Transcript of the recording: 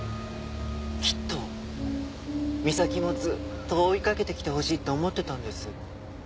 きっと美咲もずっと追いかけてきてほしいって思ってたんです。